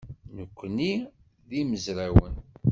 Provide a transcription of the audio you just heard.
Nekkni d imezrawen.